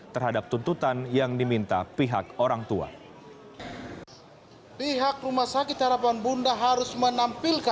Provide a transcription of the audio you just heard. terhadap tuntutan yang diminta pihak orang tua